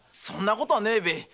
そんなことはねえべ。